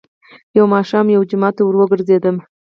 . يو ماښام يوه جومات ته ور وګرځېدم،